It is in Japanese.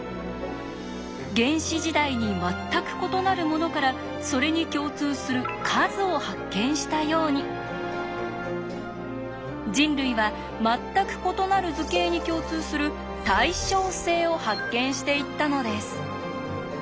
原始時代に全く異なるものからそれに共通する「数」を発見したように人類は全く異なる図形に共通する「対称性」を発見していったのです。